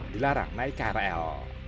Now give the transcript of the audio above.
dilarang naik krl